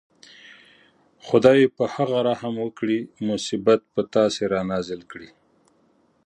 خدای په هغه رحم وکړي مصیبت په تاسې رانازل کړي.